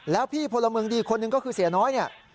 แล้วพี่พลเมืองดีคนหนึ่งก็คือเสียน้อยเนี่ย